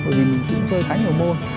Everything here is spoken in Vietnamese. bởi vì mình chơi khá nhiều môn